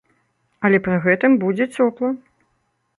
Але пры гэтым будзе цёпла.